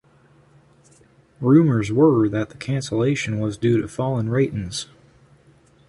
Rumours were that the cancellation was due to falling ratings.